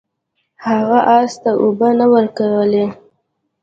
هغه اس ته اوبه نه ورکولې.